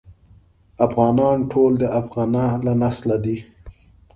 افغانان ټول د افغنه له نسله دي.